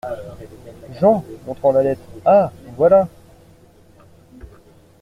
Jean, montrant la lettre. — Ah ! voilà !…